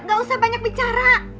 gak usah banyak bicara